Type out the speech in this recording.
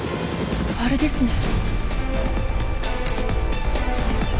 あれですね。